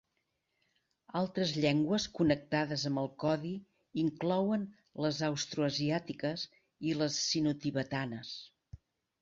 Altres llengües connectades amb el codi inclouen les austroasiàtiques i les sinotibetanes.